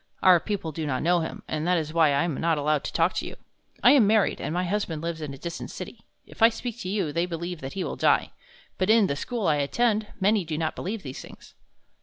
"Our people do not know him, and that is why I am not allowed to talk with you. I am married, and my husband lives in a distant city. If I speak to you, they believe that he will die. But in the school I attend, many do not believe these things."